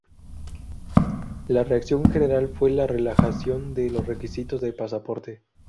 La reacción general fue la relajación de los requisitos de pasaporte.